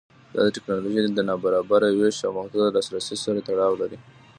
دا د ټکنالوژۍ له نابرابره وېش او محدود لاسرسي سره تړاو لري.